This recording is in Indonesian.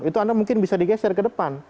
itu anda mungkin bisa digeser ke depan